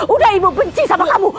udah ibu benci sama kamu